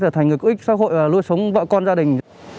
thành nguyện xã hội và nuôi sống vợ con gia đình